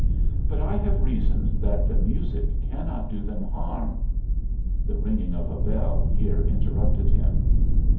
But I have reasoned that the music cannot do them harm " The ringing of a bell here interrupted him.